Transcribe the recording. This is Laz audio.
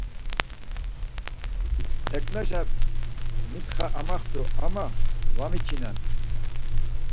Eǩnaşe mitxa amaxtu ama va viçinem.